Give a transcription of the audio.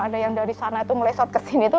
ada yang dari sana tuh ngelesot ke sini tuh